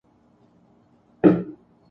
کہہ دیا اس نے خود ہی